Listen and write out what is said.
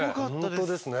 本当ですね。